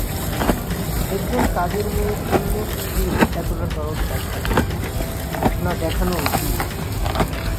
একজন কাজের মেয়ের জন্যে কেউ এতটা দরদ দেখায়, না দেখানো উচিত?